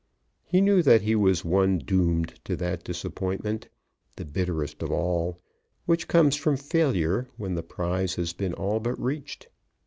He knew that he was one doomed to that disappointment, the bitterest of all, which comes from failure when the prize has been all but reached.